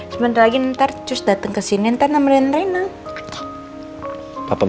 sebentar lagi ntar cus dateng kesini ntar nambahin rena